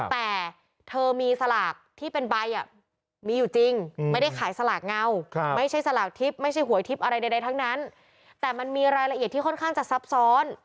แต่เธอมีสลากที่เป็นใบมีอยู่จริงไม่ได้ขายสลากเงาไม่ใช่สลากทิพย์ไม่ใช่หวยทิพย์อะไรใดทั้งนั้นแต่มันมีรายละเอียดที่ค่อนข้างจะซับซ้อน